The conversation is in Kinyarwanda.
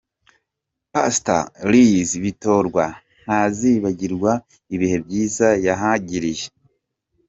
Pastor Liz Bitorwa ntazibagirwa ibihe byiza yahagiriye,.